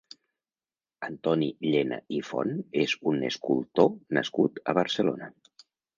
Antoni Llena i Font és un escultor nascut a Barcelona.